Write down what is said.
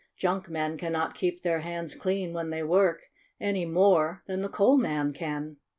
J unk men cannot keep their hands clean when they work any more than the coal man can.